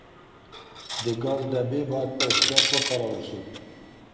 د ګاز ډبې باید په احتیاط وکارول شي.